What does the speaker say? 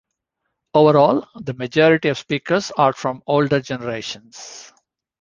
Overall, the majority of speakers are from older generations.